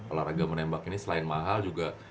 olahraga menembak ini selain mahal juga